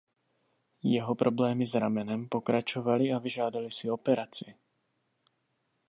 Jeho problémy s ramenem pokračovaly a vyžádaly si operaci.